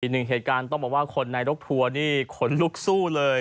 อีกหนึ่งเหตุการณ์ต้องบอกว่าคนในรถทัวร์นี่ขนลุกสู้เลย